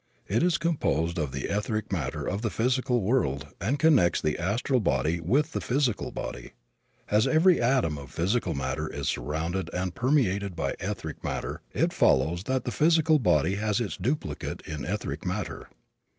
It is composed of the etheric matter of the physical world and connects the astral body with the physical body. As every atom of physical matter is surrounded and permeated by etheric matter, it follows that the physical body has its duplicate in etheric matter.